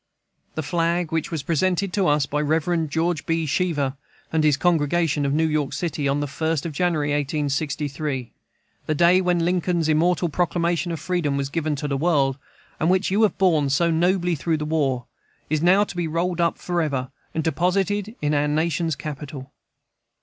The flag which was presented to us by the Rev. George B. Cheever and his congregation, of New York City, on the first of January, 1863, the day when Lincoln's immortal proclamation of freedom was given to the world, and which you have borne so nobly through the war, is now to be rolled up forever, and deposited in our nation's capital.